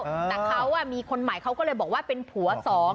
แต่เขามีคนใหม่เขาก็เลยบอกว่าเป็นผัวสอง